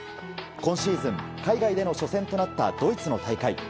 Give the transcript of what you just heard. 今シーズン海外での初戦となったドイツの大会。